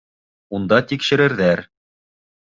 Унда тикшерерҙәр.